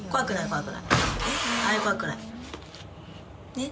ねっ？